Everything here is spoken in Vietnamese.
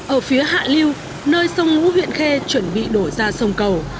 ở phía hạ liêu nơi sông ngũ huyện khê chuẩn bị đổi ra sông cầu